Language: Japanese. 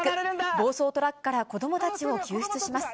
暴走トラックから子どもたちを救出します。